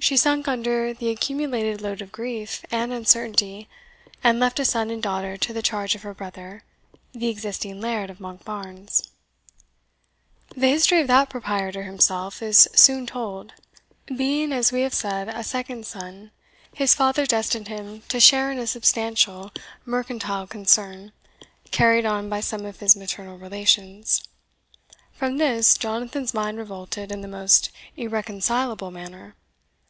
She sunk under the accumulated load of grief and uncertainty, and left a son and daughter to the charge of her brother, the existing Laird of Monkbarns. The history of that proprietor himself is soon told. Being, as we have said, a second son, his father destined him to a share in a substantial mercantile concern, carried on by some of his maternal relations. From this Jonathan's mind revolted in the most irreconcilable manner.